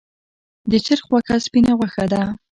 د چرګ غوښه سپینه غوښه ده